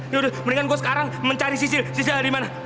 yaudah mendingan gue sekarang mencari sisil sisil ada dimana